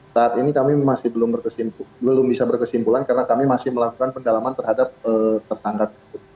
saat ini kami masih belum bisa berkesimpulan karena kami masih melakukan pendalaman terhadap tersangka tersebut